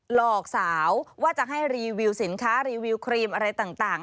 หลอกสาวว่าจะให้รีวิวสินค้ารีวิวครีมอะไรต่าง